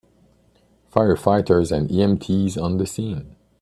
Firefighters and EMT s on the scene.